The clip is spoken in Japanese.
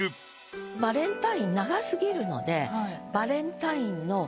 「バレンタイン」長すぎるので。